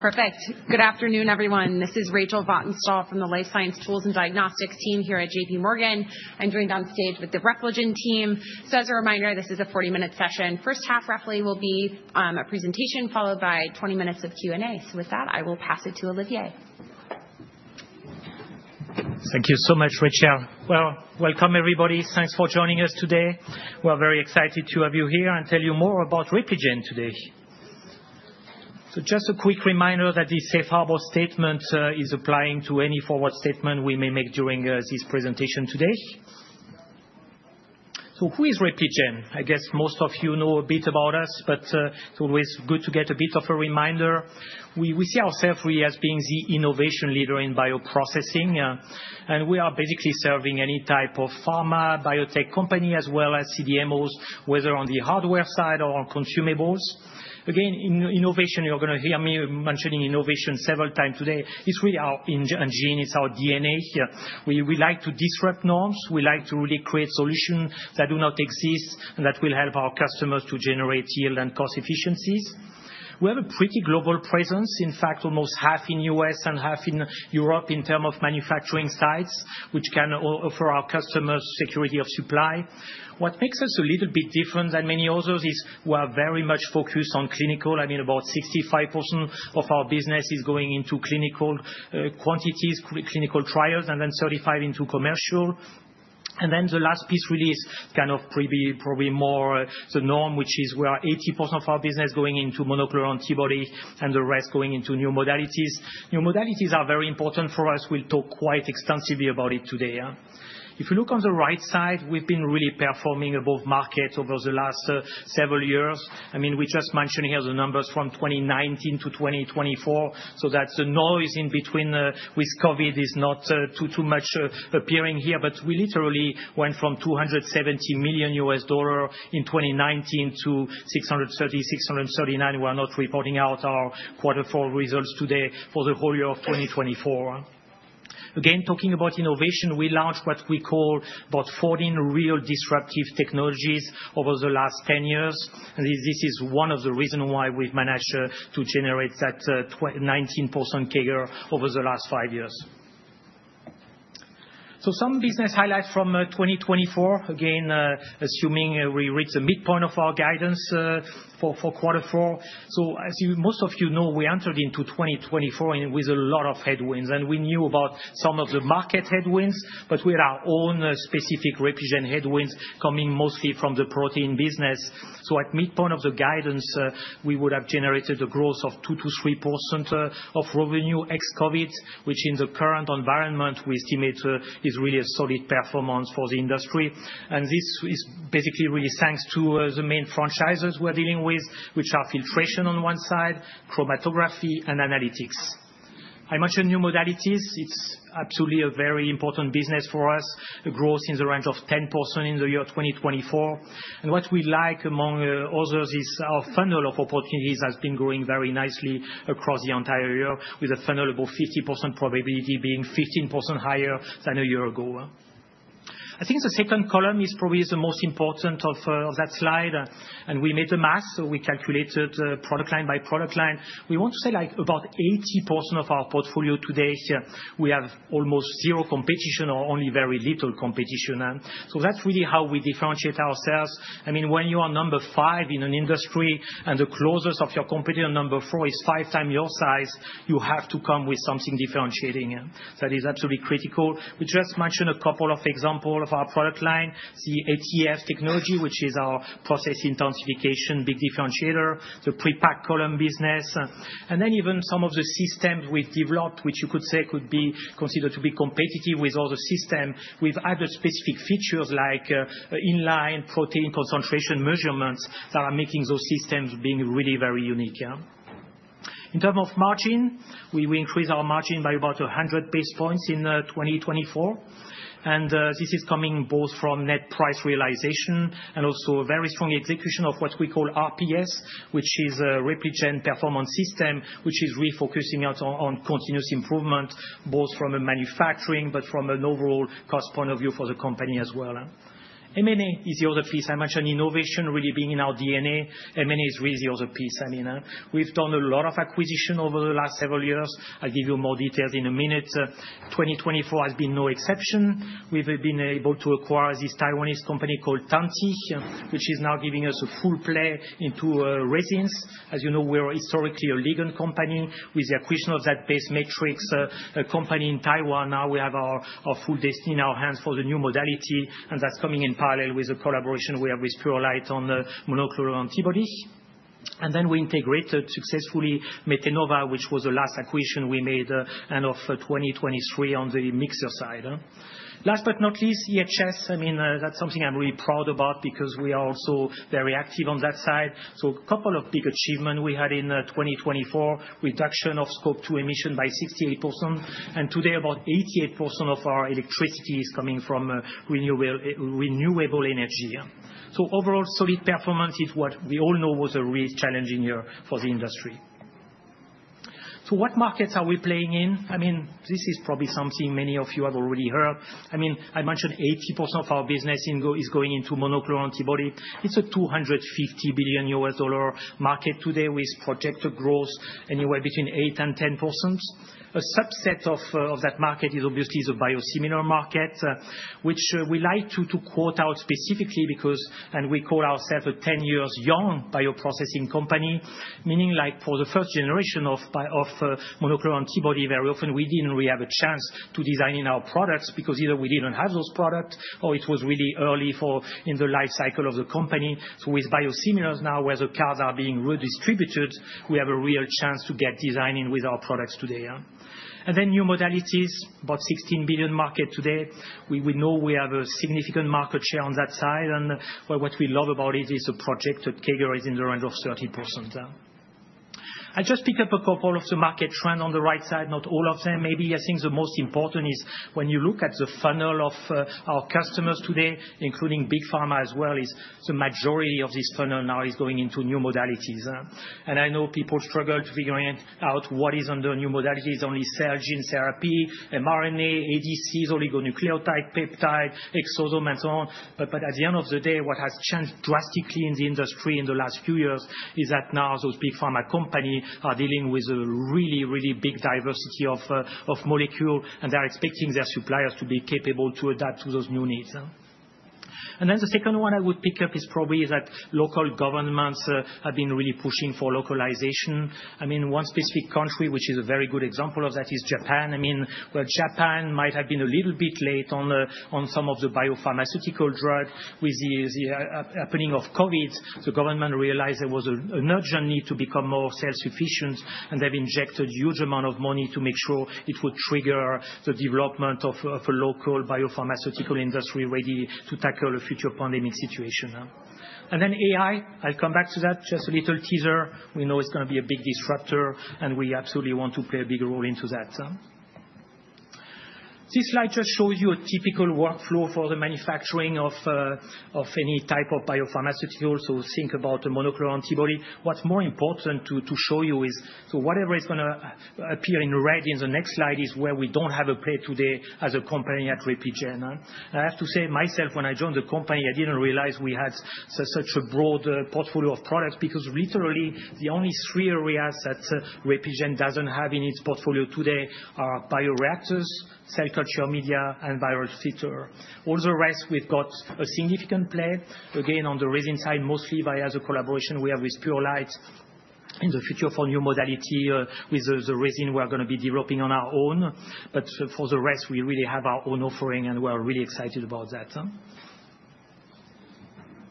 Perfect. Good afternoon, everyone. This is Rachel Vatnsdal from the Life Science Tools and Diagnostics team here at JPMorgan. I'm joined on stage with the Repligen team. So, as a reminder, this is a 40-minute session. The first half, roughly, will be a presentation followed by 20 minutes of Q&A. So, with that, I will pass it to Olivier. Thank you so much, Rachel. Welcome, everybody. Thanks for joining us today. We're very excited to have you here and tell you more about Repligen today. Just a quick reminder that this safe harbor statement applies to any forward-looking statements we may make during this presentation today. Who is Repligen? I guess most of you know a bit about us, but it's always good to get a bit of a reminder. We see ourselves as being the innovation leader in bioprocessing, and we are basically serving any type of pharma, biotech company, as well as CDMOs, whether on the hardware side or on consumables. Again, innovation, you're going to hear me mentioning innovation several times today. It's really our gene. It's our DNA. We like to disrupt norms. We like to really create solutions that do not exist and that will help our customers to generate yield and cost efficiencies. We have a pretty global presence, in fact, almost half in the U.S. and half in Europe in terms of manufacturing sites, which can offer our customers security of supply. What makes us a little bit different than many others is we are very much focused on clinical. I mean, about 65% of our business is going into clinical quantities, clinical trials, and then 35% into commercial. And then the last piece really is kind of probably more the norm, which is we are 80% of our business going into monoclonal antibody and the rest going into new modalities. New modalities are very important for us. We'll talk quite extensively about it today. If you look on the right side, we've been really performing above market over the last several years. I mean, we just mentioned here the numbers from 2019 to 2024. So, that's the noise in between with COVID is not too much appearing here, but we literally went from $270 million in 2019 to $630 million-$639 million. We are not reporting out our quarter four results today for the whole year of 2024. Again, talking about innovation, we launched what we call about 14 real disruptive technologies over the last 10 years. This is one of the reasons why we've managed to generate that 19% CAGR over the last five years. So, some business highlights from 2024, again, assuming we reach the midpoint of our guidance for quarter four. As most of you know, we entered into 2024 with a lot of headwinds, and we knew about some of the market headwinds, but we had our own specific Repligen headwinds coming mostly from the protein business. At midpoint of the guidance, we would have generated a growth of 2%-3% of revenue ex-COVID, which in the current environment we estimate is really a solid performance for the industry. This is basically really thanks to the main franchises we're dealing with, which are filtration on one side, chromatography, and analytics. I mentioned new modalities. It's absolutely a very important business for us, a growth in the range of 10% in the year 2024. What we like among others is our funnel of opportunities has been growing very nicely across the entire year, with a funnel above 50% probability being 15% higher than a year ago. I think the second column is probably the most important of that slide, and we made the math, so we calculated product line by product line. We want to say like about 80% of our portfolio today we have almost zero competition or only very little competition, so that's really how we differentiate ourselves. I mean, when you are number five in an industry and the closest of your competitor number four is five times your size, you have to come with something differentiating that is absolutely critical. We just mentioned a couple of examples of our product line, the ATF technology, which is our process intensification big differentiator, the pre-packed column business, and then even some of the systems we've developed, which you could say could be considered to be competitive with other systems. We've added specific features like inline protein concentration measurements that are making those systems really very unique. In terms of margin, we increased our margin by about 100 basis points in 2024. And this is coming both from net price realization and also a very strong execution of what we call RPS, which is a Repligen Performance System, which is really focusing on continuous improvement both from a manufacturing but from an overall cost point of view for the company as well. M&A is the other piece. I mentioned innovation really being in our DNA. M&A is really the other piece. I mean, we've done a lot of acquisition over the last several years. I'll give you more details in a minute. 2024 has been no exception. We've been able to acquire this Taiwanese company called Tantti, which is now giving us a full play into resins. As you know, we're historically a ligand company. With the acquisition of that base matrix company in Taiwan, now we have our own destiny in our hands for the new modality, and that's coming in parallel with the collaboration we have with Purolite on monoclonal antibodies, and then we integrated successfully Metenova, which was the last acquisition we made end of 2023 on the mixer side. Last but not least, EHS. I mean, that's something I'm really proud about because we are also very active on that side. So, a couple of big achievements we had in 2024, reduction of Scope 2 emissions by 68%, and today about 88% of our electricity is coming from renewable energy. So, overall, solid performance is what we all know was a really challenging year for the industry. So, what markets are we playing in? I mean, this is probably something many of you have already heard. I mean, I mentioned 80% of our business is going into monoclonal antibody. It's a $250 billion market today with projected growth anywhere between 8%-10%. A subset of that market is obviously the biosimilar market, which we like to quote out specifically because we call ourselves a 10 years young bioprocessing company, meaning like for the first generation of monoclonal antibody, very often we didn't really have a chance to design in our products because either we didn't have those products or it was really early in the life cycle of the company. So, with biosimilars now where the cards are being redistributed, we have a real chance to get design in with our products today. And then new modalities, about $16 billion market today. We know we have a significant market share on that side, and what we love about it is the projected CAGR is in the range of 30%. I just picked up a couple of the market trends on the right side, not all of them. Maybe I think the most important is when you look at the funnel of our customers today, including big pharma as well, is the majority of this funnel now is going into new modalities. And I know people struggle to figure out what is under new modalities. It's only cell gene therapy, mRNA, ADCs, oligonucleotide peptide, exosome, and so on. But at the end of the day, what has changed drastically in the industry in the last few years is that now those big pharma companies are dealing with a really, really big diversity of molecules, and they're expecting their suppliers to be capable to adapt to those new needs. And then the second one I would pick up is probably that local governments have been really pushing for localization. I mean, one specific country, which is a very good example of that, is Japan. I mean, where Japan might have been a little bit late on some of the biopharmaceutical drugs. With the happening of COVID, the government realized there was an urgent need to become more self-sufficient, and they've injected a huge amount of money to make sure it would trigger the development of a local biopharmaceutical industry ready to tackle a future pandemic situation. And then AI, I'll come back to that. Just a little teaser. We know it's going to be a big disruptor, and we absolutely want to play a big role into that. This slide just shows you a typical workflow for the manufacturing of any type of biopharmaceutical. So, think about a monoclonal antibody. What's more important to show you is, so whatever is going to appear in red in the next slide is where we don't have a play today as a company at Repligen. I have to say myself, when I joined the company, I didn't realize we had such a broad portfolio of products because literally the only three areas that Repligen doesn't have in its portfolio today are bioreactors, cell culture media, and viral filter. All the rest, we've got a significant play again on the resin side, mostly via the collaboration we have with Purolite in the future for new modality with the resin we're going to be developing on our own. But for the rest, we really have our own offering, and we're really excited about that.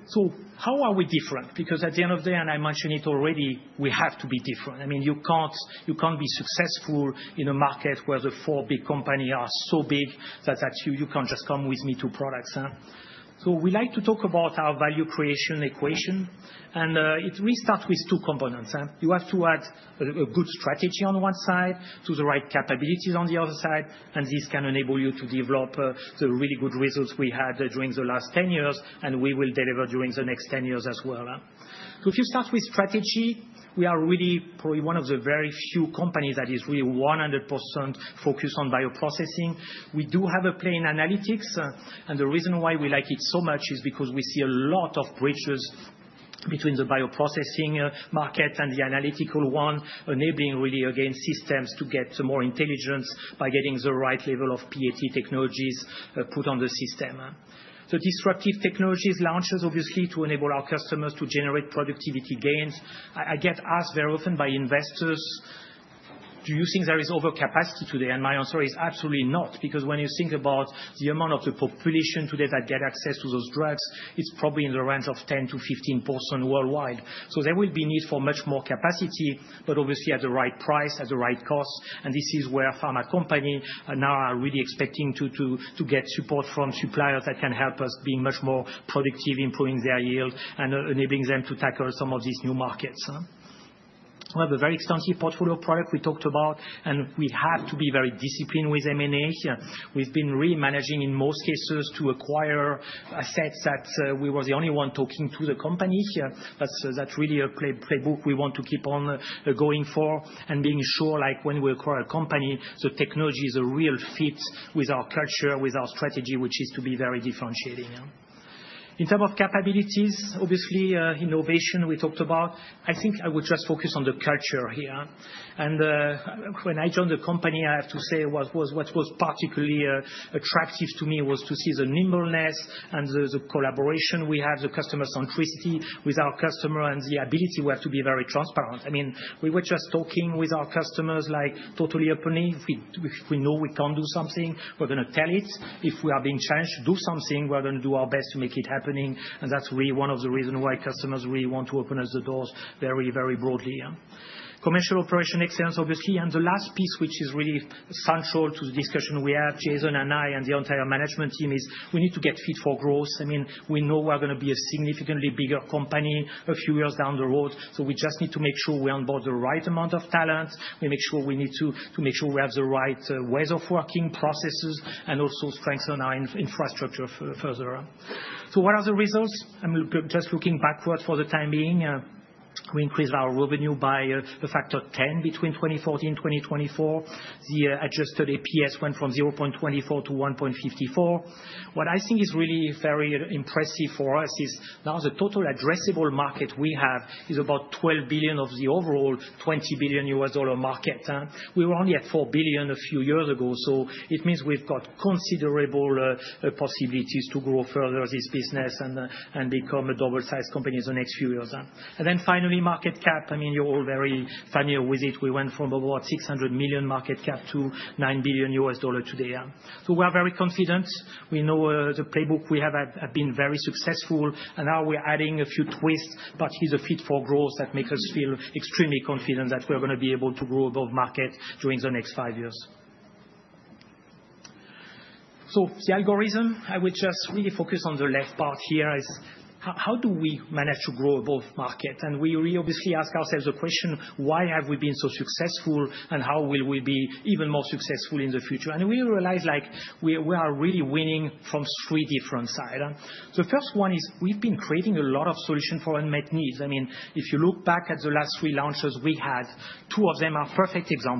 So, how are we different? Because at the end of the day, and I mentioned it already, we have to be different. I mean, you can't be successful in a market where the four big companies are so big that you can't just come with me-too products. So, we like to talk about our value creation equation, and it really starts with two components. You have to add a good strategy on one side to the right capabilities on the other side, and this can enable you to develop the really good results we had during the last 10 years, and we will deliver during the next 10 years as well. If you start with strategy, we are really probably one of the very few companies that is really 100% focused on bioprocessing. We do have a play in analytics, and the reason why we like it so much is because we see a lot of bridges between the bioprocessing market and the analytical one, enabling really, again, systems to get more intelligence by getting the right level of PAT technologies put on the system. The disruptive technologies launches, obviously, to enable our customers to generate productivity gains. I get asked very often by investors, "Do you think there is overcapacity today?" And my answer is absolutely not, because when you think about the amount of the population today that gets access to those drugs, it's probably in the range of 10%-15% worldwide. So, there will be a need for much more capacity, but obviously at the right price, at the right cost. And this is where pharma companies now are really expecting to get support from suppliers that can help us be much more productive, improving their yield and enabling them to tackle some of these new markets. We have a very extensive portfolio product we talked about, and we have to be very disciplined with M&A. We've been really managing in most cases to acquire assets that we were the only one talking to the company. That's really a playbook we want to keep on going for and being sure like when we acquire a company, the technology is a real fit with our culture, with our strategy, which is to be very differentiating. In terms of capabilities, obviously innovation we talked about. I think I would just focus on the culture here. And when I joined the company, I have to say what was particularly attractive to me was to see the nimbleness and the collaboration we have, the customer centricity with our customer and the ability we have to be very transparent. I mean, we were just talking with our customers like totally openly. If we know we can't do something, we're going to tell it. If we are being challenged to do something, we're going to do our best to make it happening. And that's really one of the reasons why customers really want to open us the doors very, very broadly. Commercial operation excellence, obviously. And the last piece, which is really central to the discussion we have, Jason and I and the entire management team, is we need to get fit for growth. I mean, we know we're going to be a significantly bigger company a few years down the road. So, we just need to make sure we onboard the right amount of talent. We make sure we have the right ways of working, processes, and also strengthen our infrastructure further. So, what are the results? I'm just looking backward for the time being. We increased our revenue by a factor of 10 between 2014 and 2024. The adjusted EPS went from $0.24-$1.54. What I think is really very impressive for us is now the total addressable market we have is about $12 billion of the overall $20 billion market. We were only at $4 billion a few years ago. So, it means we've got considerable possibilities to grow further this business and become a double-sized company in the next few years. And then finally, market cap. I mean, you're all very familiar with it. We went from about $600 million market cap to $9 billion today. So, we are very confident. We know the playbook we have been very successful, and now we're adding a few twists, but it is a fit for growth that makes us feel extremely confident that we're going to be able to grow above market during the next five years. So, the algorithm, I would just really focus on the left part here. How do we manage to grow above market? And we really obviously ask ourselves the question, why have we been so successful, and how will we be even more successful in the future? And we realize like we are really winning from three different sides. The first one is we've been creating a lot of solutions for unmet needs. I mean, if you look back at the last three launches we had, two of them are perfect examples.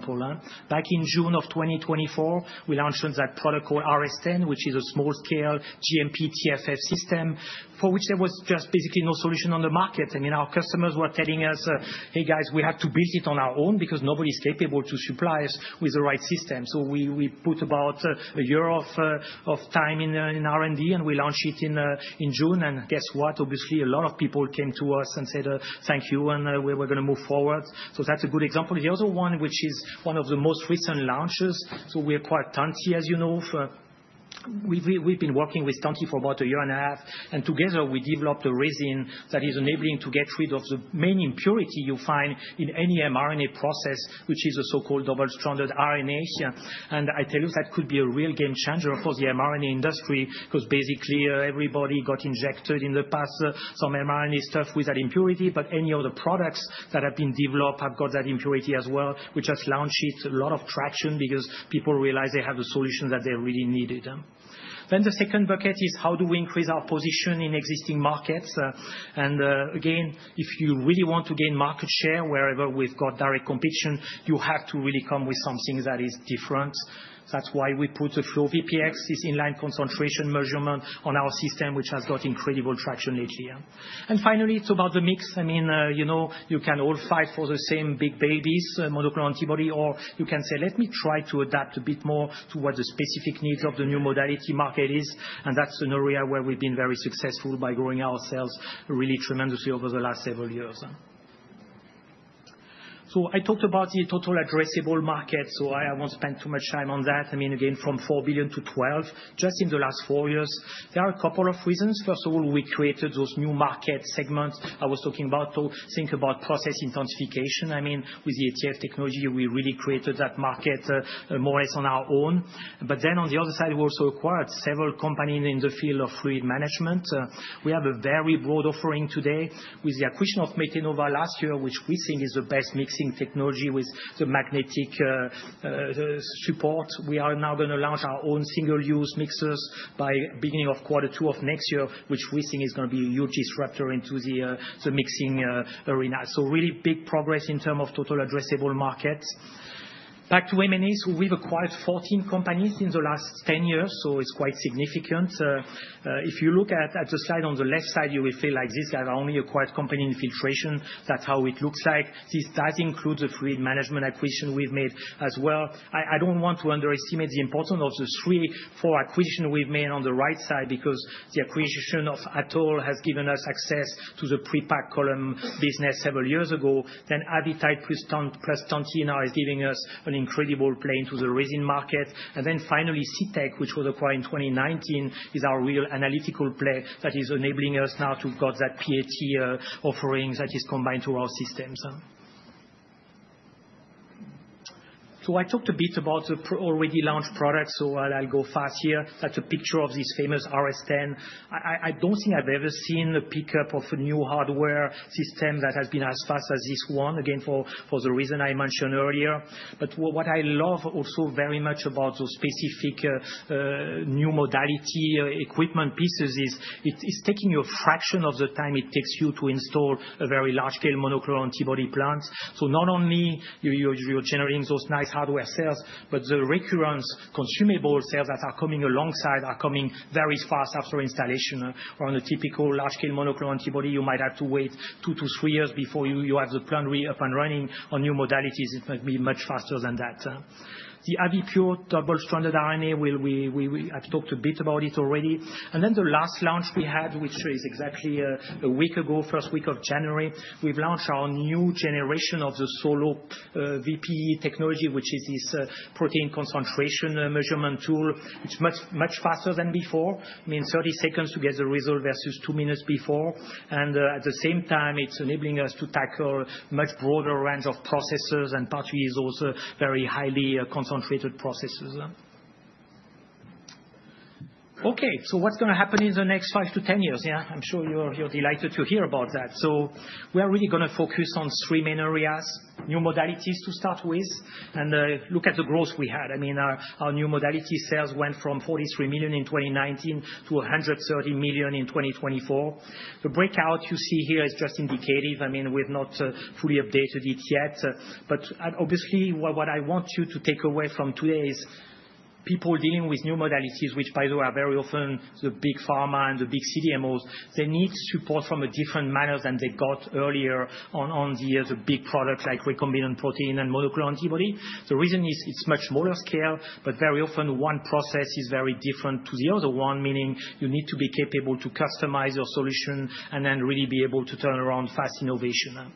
Back in June of 2024, we launched that product called RS 10, which is a small-scale GMP TFF system for which there was just basically no solution on the market. I mean, our customers were telling us, "Hey guys, we have to build it on our own because nobody's capable to supply us with the right system." So, we put about a year of time in R&D, and we launched it in June. And guess what? Obviously, a lot of people came to us and said, "Thank you, and we're going to move forward." So, that's a good example. The other one, which is one of the most recent launches, so we acquired Tantti, as you know. We've been working with Tantti for about a year and a half, and together we developed a resin that is enabling to get rid of the main impurity you find in any mRNA process, which is a so-called double-stranded RNA. And I tell you, that could be a real game changer for the mRNA industry because basically everybody got injected in the past some mRNA stuff with that impurity, but any other products that have been developed have got that impurity as well. We just launched it. A lot of traction because people realized they have the solution that they really needed. The second bucket is how do we increase our position in existing markets? Again, if you really want to gain market share wherever we've got direct competition, you have to really come with something that is different. That's why we put the FlowVPX, this inline concentration measurement on our system, which has got incredible traction lately. Finally, it's about the mix. I mean, you can all fight for the same big babies, monoclonal antibody, or you can say, "Let me try to adapt a bit more to what the specific needs of the new modality market is." That's an area where we've been very successful by growing ourselves really tremendously over the last several years. So, I talked about the total addressable market, so I won't spend too much time on that. I mean, again, from $4 billion-$12 billion just in the last four years. There are a couple of reasons. First of all, we created those new market segments I was talking about, so think about process intensification. I mean, with the ATF technology, we really created that market more or less on our own, but then on the other side, we also acquired several companies in the field of fluid management. We have a very broad offering today with the acquisition of Metenova last year, which we think is the best mixing technology with the magnetic support. We are now going to launch our own single-use mixers by beginning of quarter two of next year, which we think is going to be a huge disruptor into the mixing arena, so really big progress in terms of total addressable markets. Back to M&As, we've acquired 14 companies in the last 10 years, so it's quite significant. If you look at the slide on the left side, you will feel like these guys are only acquired company in filtration. That's how it looks like. This does include the fluid management acquisition we've made as well. I don't want to underestimate the importance of the three, four acquisitions we've made on the right side because the acquisition of Atoll has given us access to the pre-packed column business several years ago. Then Avitide plus Tantti now is giving us an incredible play into the resin market. And then finally, C Technologies, which was acquired in 2019, is our real analytical play that is enabling us now to get that PAT offering that is combined with our systems. So, I talked a bit about the already launched products, so I'll go fast here. That's a picture of this famous RS 10. I don't think I've ever seen a pickup of a new hardware system that has been as fast as this one, again, for the reason I mentioned earlier. But what I love also very much about those specific new modality equipment pieces is it's taking you a fraction of the time it takes you to install a very large-scale monoclonal antibody plant. So, not only are you generating those nice hardware sales, but the recurrent consumable sales that are coming alongside are coming very fast after installation. On a typical large-scale monoclonal antibody, you might have to wait two to three years before you have the plant be up and running on new modalities. It might be much faster than that. The Avipure double-stranded RNA, I've talked a bit about it already. And then the last launch we had, which is exactly a week ago, first week of January, we've launched our new generation of the SoloVPE technology, which is this protein concentration measurement tool. It's much faster than before. I mean, 30 seconds to get the result versus two minutes before. And at the same time, it's enabling us to tackle a much broader range of processes and partly is also very highly concentrated processes. Okay, so what's going to happen in the next 5-10 years? Yeah, I'm sure you're delighted to hear about that. So, we are really going to focus on three main areas, new modalities to start with, and look at the growth we had. I mean, our new modality sales went from $43 million in 2019 to $130 million in 2024. The breakout you see here is just indicative. I mean, we've not fully updated it yet. But obviously, what I want you to take away from today is people dealing with new modalities, which by the way are very often the big pharma and the big CDMOs. They need support from a different manner than they got earlier on the big products like recombinant protein and monoclonal antibody. The reason is it's much smaller scale, but very often one process is very different to the other one, meaning you need to be capable to customize your solution and then really be able to turn around fast innovation.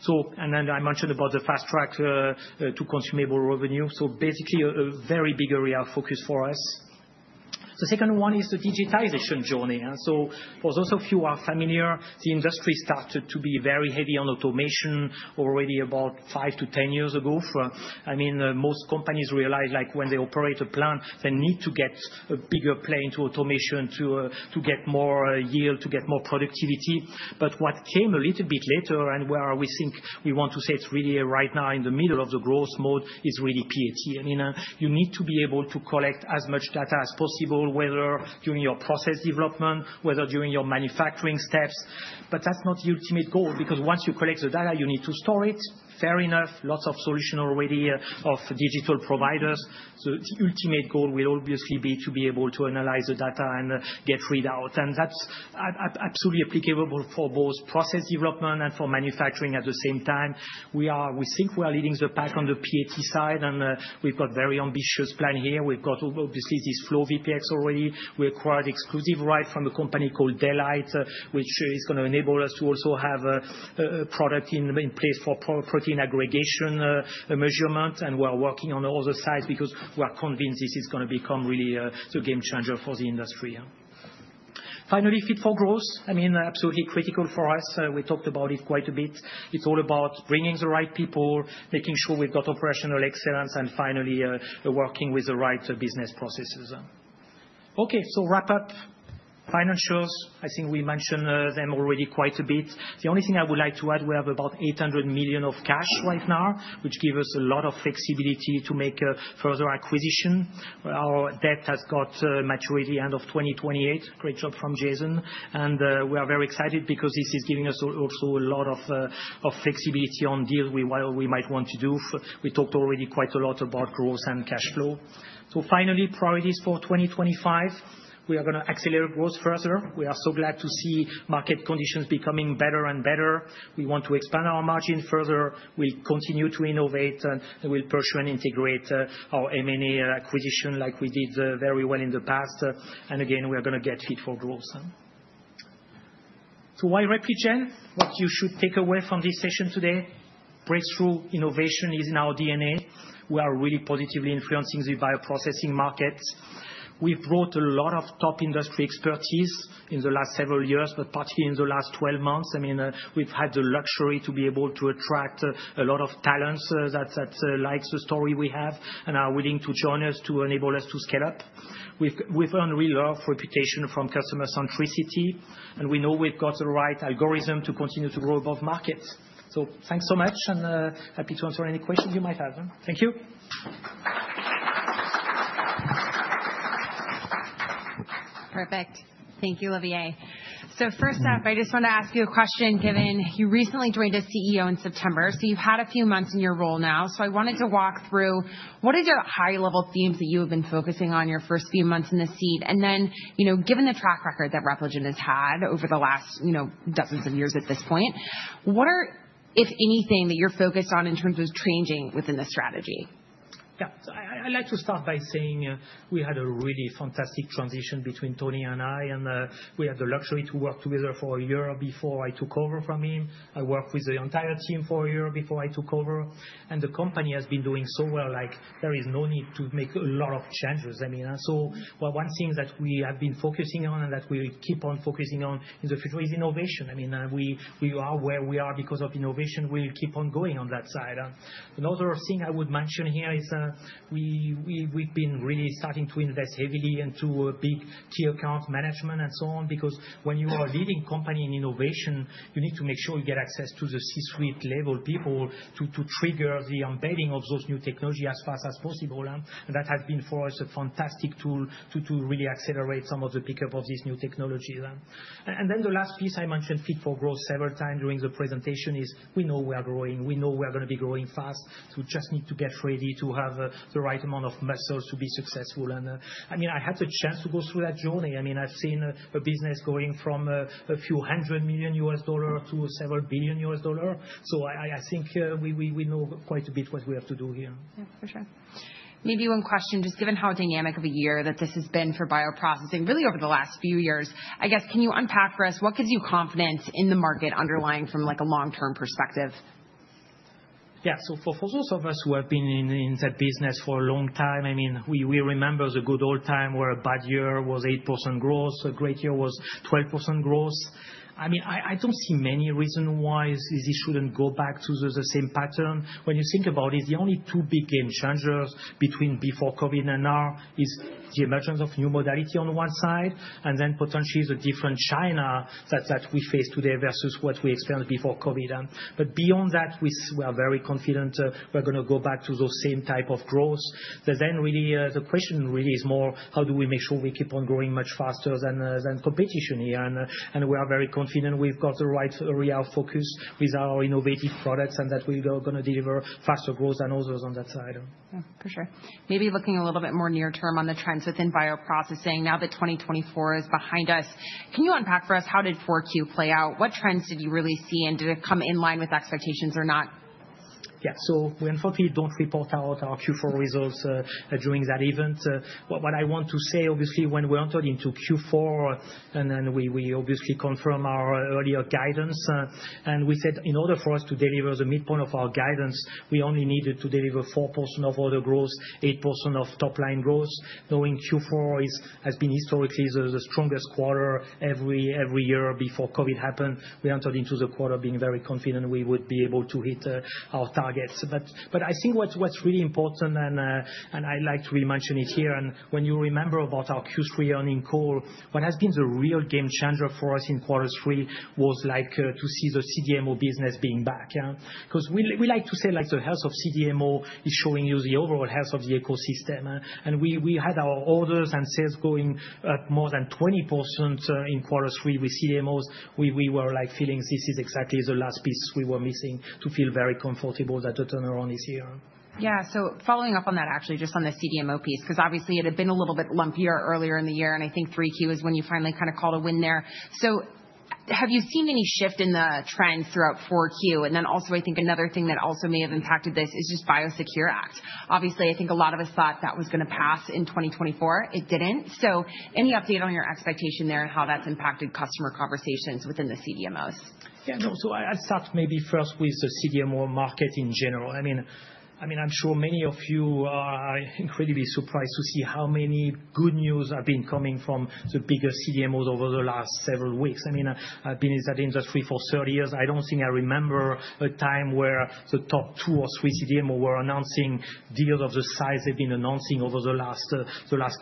So, and then I mentioned about the fast track to consumable revenue. So, basically a very big area of focus for us. The second one is the digitization journey. So, for those of you who are familiar, the industry started to be very heavy on automation already about 5-10 years ago. I mean, most companies realize like when they operate a plant, they need to get a bigger play into automation to get more yield, to get more productivity. But what came a little bit later and where we think we want to say it's really right now in the middle of the growth mode is really PAT. I mean, you need to be able to collect as much data as possible, whether during your process development, whether during your manufacturing steps. But that's not the ultimate goal because once you collect the data, you need to store it. Fair enough, lots of solution already of digital providers. So, the ultimate goal will obviously be to be able to analyze the data and get readout. That's absolutely applicable for both process development and for manufacturing at the same time. We think we are leading the pack on the PAT side, and we've got a very ambitious plan here. We've got obviously this FlowVPX already. We acquired exclusive rights from a company called Daylight, which is going to enable us to also have a product in place for protein aggregation measurement. We're working on the other side because we're convinced this is going to become really the game changer for the industry. Finally, fit for growth. I mean, absolutely critical for us. We talked about it quite a bit. It's all about bringing the right people, making sure we've got operational excellence, and finally working with the right business processes. Okay, so wrap up. Financials, I think we mentioned them already quite a bit. The only thing I would like to add, we have about $800 million of cash right now, which gives us a lot of flexibility to make further acquisition. Our debt has got maturity at the end of 2028. Great job from Jason, and we are very excited because this is giving us also a lot of flexibility on deals we might want to do. We talked already quite a lot about growth and cash flow. So, finally, priorities for 2025. We are going to accelerate growth further. We are so glad to see market conditions becoming better and better. We want to expand our margin further. We'll continue to innovate, and we'll pursue and integrate our M&A acquisition like we did very well in the past, and again, we are going to get fit for growth. So, why Repligen? What you should take away from this session today? Breakthrough innovation is in our DNA. We are really positively influencing the bioprocessing markets. We've brought a lot of top industry expertise in the last several years, but particularly in the last 12 months. I mean, we've had the luxury to be able to attract a lot of talents that likes the story we have and are willing to join us to enable us to scale up. We've earned real love, reputation from customer centricity, and we know we've got the right algorithm to continue to grow above markets. So, thanks so much, and happy to answer any questions you might have. Thank you. Perfect. Thank you, Olivier. So, first off, I just want to ask you a question given you recently joined as CEO in September. So, you've had a few months in your role now. I wanted to walk through what are the high-level themes that you have been focusing on in your first few months in the seat? You know, given the track record that Repligen has had over the last, you know, dozens of years at this point, what are, if anything, that you're focused on in terms of changing within the strategy? Yeah, so I'd like to start by saying we had a really fantastic transition between Tony and I, and we had the luxury to work together for a year before I took over from him. I worked with the entire team for a year before I took over, and the company has been doing so well, like there is no need to make a lot of changes. I mean, so one thing that we have been focusing on and that we will keep on focusing on in the future is innovation. I mean, we are where we are because of innovation. We'll keep on going on that side. Another thing I would mention here is we've been really starting to invest heavily into key account management and so on because when you are a leading company in innovation, you need to make sure you get access to the C-suite level people to trigger the embedding of those new technologies as fast as possible, and that has been for us a fantastic tool to really accelerate some of the pickup of these new technologies. And then the last piece I mentioned, fit for growth several times during the presentation, is we know we are growing. We know we are going to be growing fast. We just need to get ready to have the right amount of muscles to be successful, and I mean, I had the chance to go through that journey. I mean, I've seen a business going from a few hundred million US dollars to several billion US dollars. So, I think we know quite a bit what we have to do here. Yeah, for sure. Maybe one question, just given how dynamic of a year that this has been for bioprocessing really over the last few years, I guess, can you unpack for us what gives you confidence in the market underlying from like a long-term perspective? Yeah, so for those of us who have been in that business for a long time, I mean, we remember the good old time where a bad year was 8% growth, a great year was 12% growth. I mean, I don't see many reasons why this shouldn't go back to the same pattern. When you think about it, the only two big game changers between before COVID and now is the emergence of new modality on one side, and then potentially the different China that we face today versus what we experienced before COVID. But beyond that, we are very confident we're going to go back to those same type of growth. But then really the question is more, how do we make sure we keep on growing much faster than competition here? We are very confident we've got the right real focus with our innovative products and that we're going to deliver faster growth than others on that side. Yeah, for sure. Maybe looking a little bit more near term on the trends within bioprocessing now that 2024 is behind us, can you unpack for us how did 4Q play out? What trends did you really see and did it come in line with expectations or not? Yeah, so we unfortunately don't report out our Q4 results during that event. What I want to say, obviously, when we entered into Q4 and then we obviously confirmed our earlier guidance, and we said in order for us to deliver the midpoint of our guidance, we only needed to deliver 4% of order growth, 8% of top line growth. Knowing Q4 has been historically the strongest quarter every year before COVID happened, we entered into the quarter being very confident we would be able to hit our targets. But I think what's really important, and I'd like to re-mention it here, and when you remember about our Q3 earnings call, what has been the real game changer for us in quarter three was like to see the CDMO business being back. Because we like to say like the health of CDMO is showing you the overall health of the ecosystem. And we had our orders and sales going up more than 20% in quarter three with CDMOs. We were like feeling this is exactly the last piece we were missing to feel very comfortable that the turnaround is here. Yeah, so following up on that actually, just on the CDMO piece, because obviously it had been a little bit lumpier earlier in the year, and I think 3Q is when you finally kind of called a win there. So, have you seen any shift in the trend throughout 4Q? And then also I think another thing that also may have impacted this is just BIOSECURE Act. Obviously, I think a lot of us thought that was going to pass in 2024. It didn't. So, any update on your expectation there and how that's impacted customer conversations within the CDMOs? Yeah, no, so I'll start maybe first with the CDMO market in general. I mean, I'm sure many of you are incredibly surprised to see how many good news have been coming from the biggest CDMOs over the last several weeks. I mean, I've been in that industry for 30 years. I don't think I remember a time where the top two or three CDMOs were announcing deals of the size they've been announcing over the last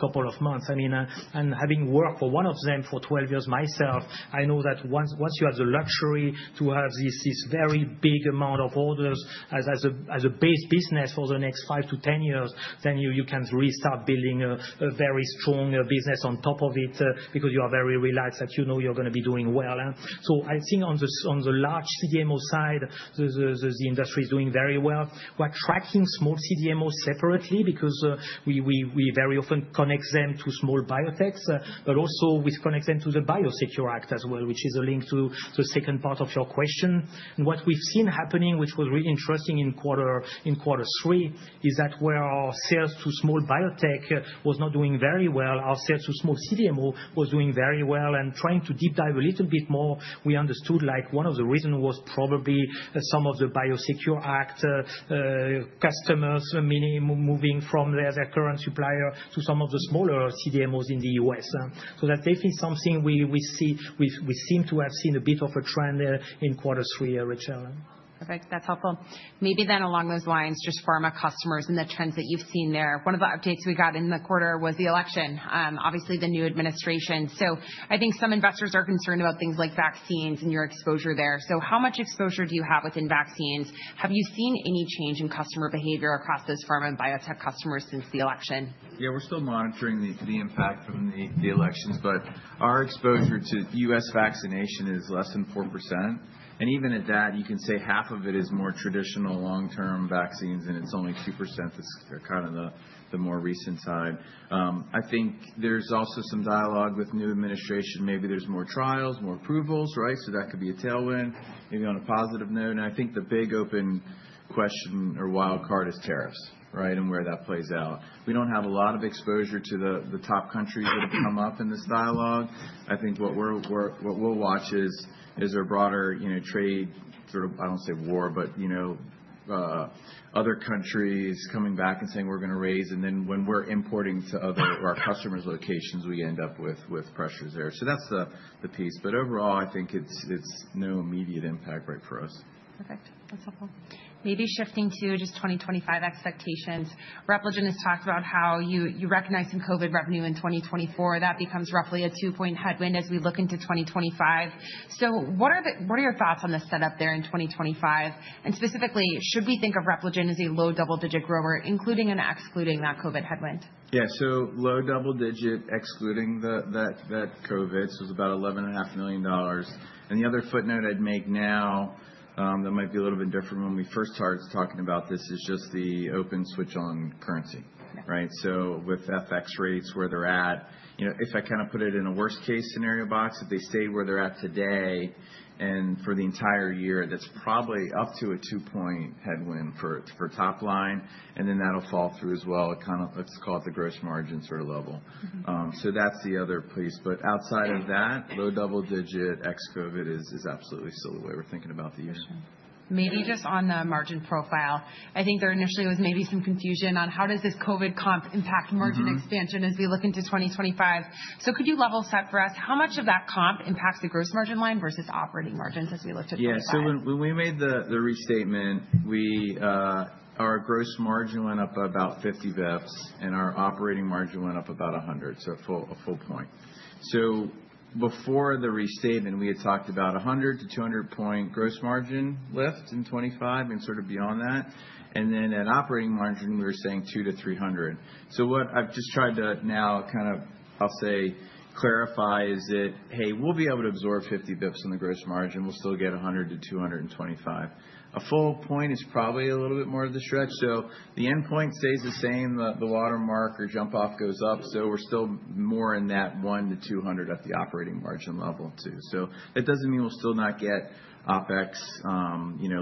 couple of months. I mean, and having worked for one of them for 12 years myself, I know that once you have the luxury to have this very big amount of orders as a base business for the next 5-10 years, then you can really start building a very strong business on top of it because you are very relaxed that you know you're going to be doing well. So, I think on the large CDMO side, the industry is doing very well. We're tracking small CDMOs separately because we very often connect them to small biotechs, but also we connect them to the BIOSECURE Act as well, which is a link to the second part of your question. And what we've seen happening, which was really interesting in quarter three, is that where our sales to small biotech was not doing very well, our sales to small CDMO was doing very well. And trying to deep dive a little bit more, we understood like one of the reasons was probably some of the BIOSECURE Act customers moving from their current supplier to some of the smaller CDMOs in the U.S. So, that's definitely something we see. We seem to have seen a bit of a trend in quarter three, Rachel. Perfect. That's helpful. Maybe then along those lines, just pharma customers and the trends that you've seen there. One of the updates we got in the quarter was the election, obviously the new administration. So, I think some investors are concerned about things like vaccines and your exposure there. So, how much exposure do you have within vaccines? Have you seen any change in customer behavior across those pharma and biotech customers since the election? Yeah, we're still monitoring the impact from the elections, but our exposure to U.S. vaccination is less than 4%. And even at that, you can say half of it is more traditional long-term vaccines, and it's only 2% that's kind of the more recent side. I think there's also some dialogue with new administration. Maybe there's more trials, more approvals, right? So, that could be a tailwind, maybe on a positive note. And I think the big open question or wild card is tariffs, right, and where that plays out. We don't have a lot of exposure to the top countries that have come up in this dialogue. I think what we'll watch is our broader trade, sort of. I don't want to say war, but other countries coming back and saying we're going to raise. And then when we're importing to other or our customers' locations, we end up with pressures there. So, that's the piece. But overall, I think it's no immediate impact right for us. Perfect. That's helpful. Maybe shifting to just 2025 expectations. Repligen has talked about how you recognize some COVID revenue in 2024. That becomes roughly a two-point headwind as we look into 2025. So, what are your thoughts on the setup there in 2025? And specifically, should we think of Repligen as a low double-digit grower, including and excluding that COVID headwind? Yeah, so low double-digit, excluding that COVID, so it's about $11.5 million. The other footnote I'd make now that might be a little bit different when we first started talking about this is just the FX headwind on currency, right? With FX rates where they're at, if I kind of put it in a worst-case scenario box, if they stay where they're at today and for the entire year, that's probably up to a two-point headwind for top line. Then that'll fall through as well. It kind of, let's call it the gross margin sort of level. That's the other piece. Outside of that, low double-digit, ex-COVID is absolutely still the way we're thinking about the year. Maybe just on the margin profile, I think there initially was maybe some confusion on how does this COVID comp impact margin expansion as we look into 2025? So, could you level set for us how much of that comp impacts the gross margin line versus operating margins as we look to quarter five? Yeah, so when we made the restatement, our gross margin went up about 50 basis points, and our operating margin went up about 100, so a full point. So, before the restatement, we had talked about 100-200-point gross margin lift in 2025 and sort of beyond that. And then at operating margin, we were saying 200-300. So, what I've just tried to now kind of, I'll say, clarify is that, hey, we'll be able to absorb 50 basis points on the gross margin. We'll still get 100-225. A full point is probably a little bit more of the stretch. So, the endpoint stays the same. The watermark or jump-off goes up. So, we're still more in that 100-200 at the operating margin level too. So, that doesn't mean we'll still not get OpEx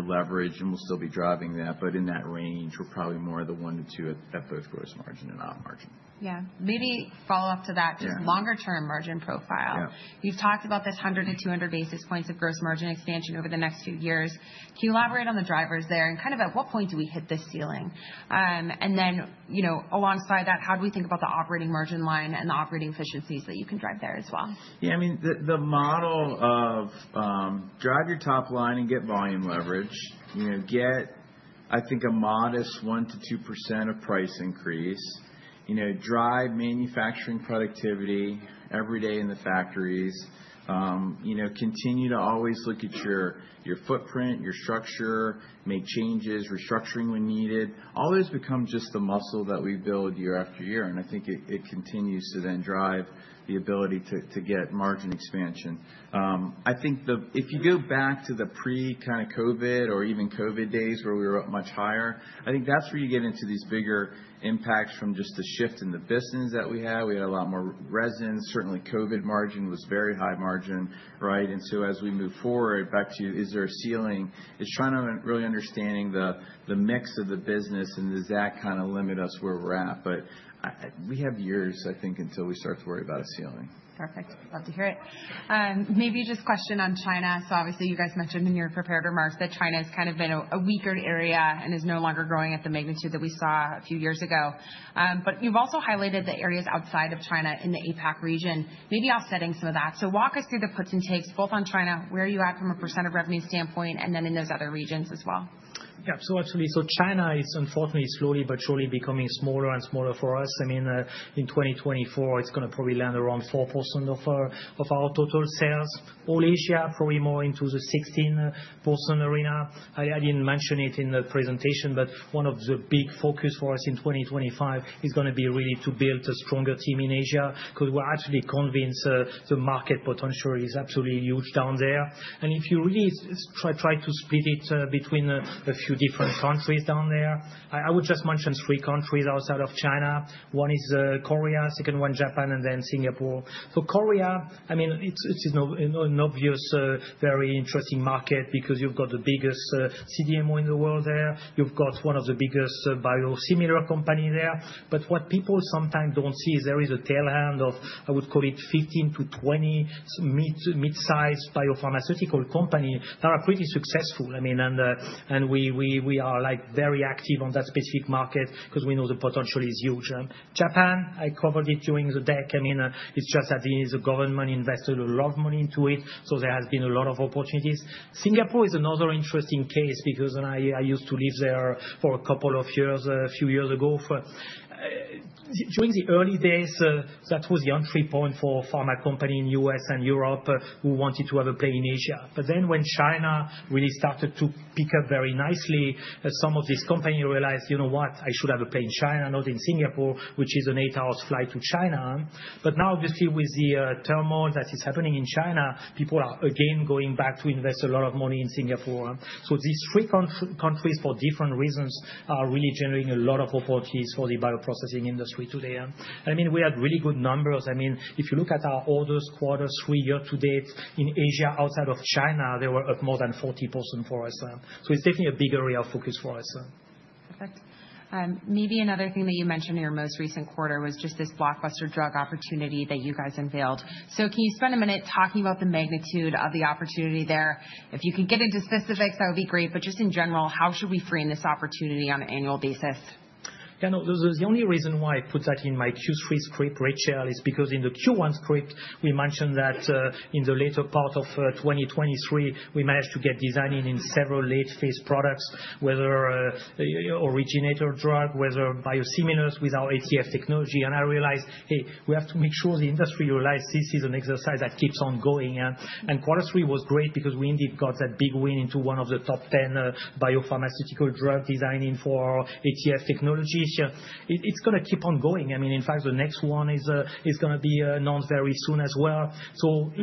leverage, and we'll still be driving that. But in that range, we're probably more of the one to two at both gross margin and op margin. Yeah. Maybe follow up to that, just longer-term margin profile. You've talked about this 100-200 basis points of gross margin expansion over the next few years. Can you elaborate on the drivers there and kind of at what point do we hit this ceiling? And then, you know, alongside that, how do we think about the operating margin line and the operating efficiencies that you can drive there as well? Yeah, I mean, the model of drive your top line and get volume leverage, get, I think, a modest 1%-2% price increase, drive manufacturing productivity every day in the factories, continue to always look at your footprint, your structure, make changes, restructuring when needed. All those become just the muscle that we build year after year. I think it continues to then drive the ability to get margin expansion. I think if you go back to the pre-kind of COVID or even COVID days where we were up much higher, I think that's where you get into these bigger impacts from just the shift in the business that we have. We had a lot more resins. Certainly, COVID margin was very high margin, right? And so, as we move forward, back to you, is there a ceiling? It's trying to really understand the mix of the business, and does that kind of limit us where we're at? But we have years, I think, until we start to worry about a ceiling. Perfect. Love to hear it. Maybe just a question on China. So, obviously, you guys mentioned in your prepared remarks that China has kind of been a weaker area and is no longer growing at the magnitude that we saw a few years ago. But you've also highlighted the areas outside of China in the APAC region. Maybe offsetting some of that. So, walk us through the puts and takes, both on China, where you at from a % of revenue standpoint, and then in those other regions as well. Yeah, absolutely. So, China is unfortunately slowly but surely becoming smaller and smaller for us. I mean, in 2024, it's going to probably land around 4% of our total sales. All Asia, probably more into the 16% arena. I didn't mention it in the presentation, but one of the big focuses for us in 2025 is going to be really to build a stronger team in Asia because we're absolutely convinced the market potential is absolutely huge down there. And if you really try to split it between a few different countries down there, I would just mention three countries outside of China. One is Korea, second one Japan, and then Singapore. So, Korea, I mean, it's an obvious, very interesting market because you've got the biggest CDMO in the world there. You've got one of the biggest biosimilar companies there. But what people sometimes don't see is there is a tail end of, I would call it, 15-20 mid-sized biopharmaceutical companies that are pretty successful. I mean, and we are like very active on that specific market because we know the potential is huge. Japan. I covered it during the deck. I mean, it's just that the government invested a lot of money into it, so there has been a lot of opportunities. Singapore is another interesting case because I used to live there for a couple of years, a few years ago. During the early days, that was the entry point for pharma companies in the U.S. and Europe who wanted to have a play in Asia. But then when China really started to pick up very nicely, some of these companies realized, you know what, I should have a play in China, not in Singapore, which is an eight-hour flight to China. But now, obviously, with the turmoil that is happening in China, people are again going back to invest a lot of money in Singapore. So, these three countries, for different reasons, are really generating a lot of opportunities for the bioprocessing industry today. And I mean, we had really good numbers. I mean, if you look at our orders quarter three year to date in Asia outside of China, they were up more than 40% for us. So, it's definitely a big area of focus for us. Perfect. Maybe another thing that you mentioned in your most recent quarter was just this blockbuster drug opportunity that you guys unveiled. So, can you spend a minute talking about the magnitude of the opportunity there? If you could get into specifics, that would be great. But just in general, how should we frame this opportunity on an annual basis? Yeah, no, the only reason why I put that in my Q3 script, Rachel, is because in the Q1 script, we mentioned that in the later part of 2023, we managed to get design in several late-phase products, whether originator drug, whether biosimilars with our ATF technology. And I realized, hey, we have to make sure the industry realizes this is an exercise that keeps on going. And quarter three was great because we indeed got that big win into one of the top 10 biopharmaceutical drug design in for ATF technologies. It's going to keep on going. I mean, in fact, the next one is going to be announced very soon as well.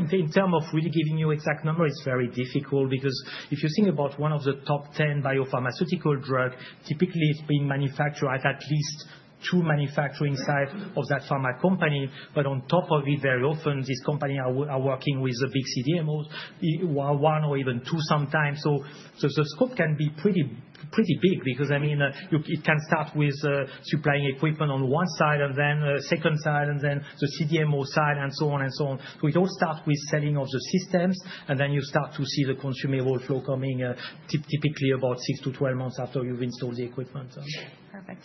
In terms of really giving you exact numbers, it's very difficult because if you think about one of the top 10 biopharmaceutical drugs, typically it's being manufactured at least two manufacturing sites of that pharma company. But on top of it, very often, these companies are working with the big CDMOs, one or even two sometimes. The scope can be pretty big because, I mean, it can start with supplying equipment on one side and then the second side and then the CDMO side and so on and so on. It all starts with selling of the systems, and then you start to see the consumables workflow coming typically about 6-12 months after you've installed the equipment. Perfect.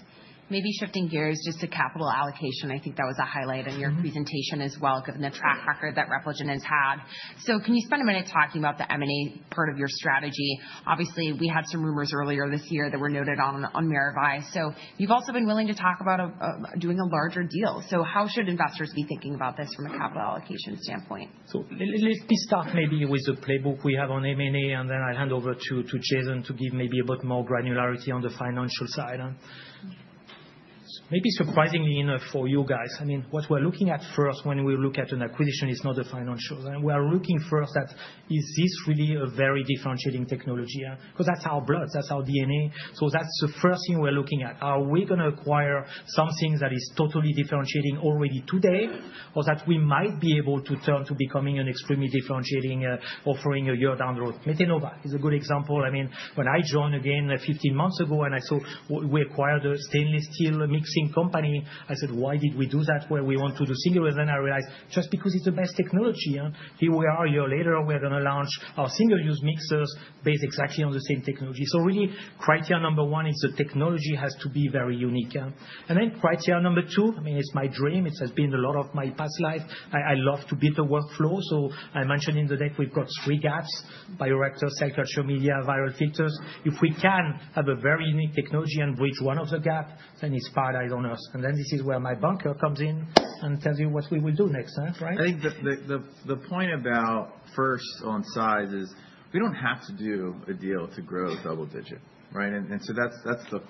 Maybe shifting gears just to capital allocation. I think that was a highlight in your presentation as well, given the track record that Repligen has had. So, can you spend a minute talking about the M&A part of your strategy? Obviously, we had some rumors earlier this year that were noted on Maravai. So, you've also been willing to talk about doing a larger deal. So, how should investors be thinking about this from a capital allocation standpoint? Let me start maybe with the playbook we have on M&A, and then I'll hand over to Jason to give maybe a bit more granularity on the financial side. Maybe surprisingly enough for you guys, I mean, what we're looking at first when we look at an acquisition is not the financials. We are looking first at, is this really a very differentiating technology? Because that's our blood, that's our DNA. That's the first thing we're looking at. Are we going to acquire something that is totally differentiating already today, or that we might be able to turn to becoming an extremely differentiating offering a year down the road? Metenova is a good example. I mean, when I joined again 15 months ago and I saw we acquired a stainless steel mixing company, I said, why did we do that where we want to do single-use? And I realized just because it's the best technology. Here we are a year later, we're going to launch our single-use mixers based exactly on the same technology. So, really, criteria number one is the technology has to be very unique. And then criteria number two, I mean, it's my dream. It has been a lot of my past life. I love to build a workflow. So, I mentioned in the deck we've got three gaps: bioreactor, cell culture, media, viral filters. If we can have a very unique technology and bridge one of the gaps, then it's paradise on earth. And then this is where my bunker comes in and tells you what we will do next, right? I think the point about first on size is we don't have to do a deal to grow with double-digit, right? And so, that's the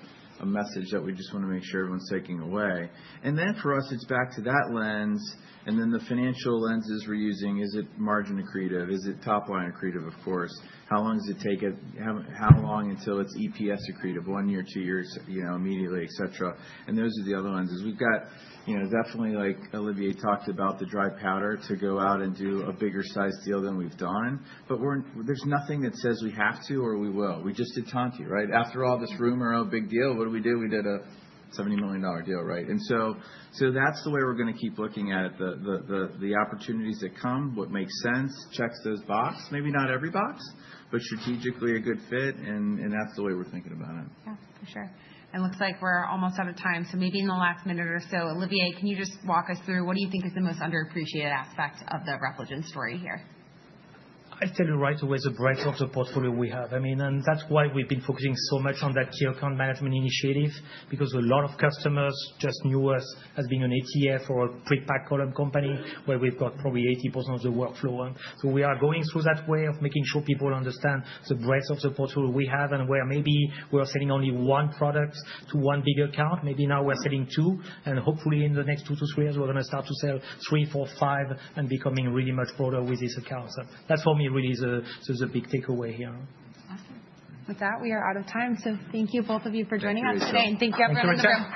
message that we just want to make sure everyone's taking away. And then for us, it's back to that lens. And then the financial lenses we're using, is it margin accretive? Is it top line accretive, of course? How long does it take? How long until it's EPS accretive? One year, two years, immediately, etc. And those are the other lenses. We've got definitely, like Olivier talked about, the dry powder to go out and do a bigger size deal than we've done. But there's nothing that says we have to or we will. We just did Tantti, right? After all this rumor, oh, big deal, what do we do? We did a $70 million deal, right? That's the way we're going to keep looking at it, the opportunities that come, what makes sense, checks those boxes, maybe not every box, but strategically a good fit. That's the way we're thinking about it. Yeah, for sure. And it looks like we're almost out of time. So, maybe in the last minute or so, Olivier, can you just walk us through what do you think is the most underappreciated aspect of the Repligen story here? I tell you right away, it's a bright spot of portfolio we have. I mean, and that's why we've been focusing so much on that key account management initiative because a lot of customers, just newer, have been on ATF or a pre-packed column company where we've got probably 80% of the workflow. So, we are going through that way of making sure people understand the breadth of the portfolio we have and where maybe we were selling only one product to one big account. Maybe now we're selling two. And hopefully, in the next two to three years, we're going to start to sell three, four, five, and becoming really much broader with this account. So, that's for me really is the big takeaway here. Awesome. With that, we are out of time. So, thank you both of you for joining us today. Thank you. Thank you everyone for joining.